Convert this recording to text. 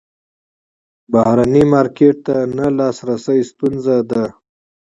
بهرني مارکیټ ته نه لاسرسی ستونزه ده.